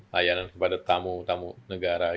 layanan kepada tamu tamu negara